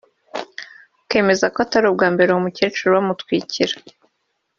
akemeza ko atari ubwa mbere uwo mukecuru bamutwikira